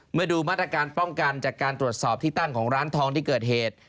ดูมาตรการป้องกันจากการตรวจสอบที่ตั้งของร้านทองที่เกิดเหตุ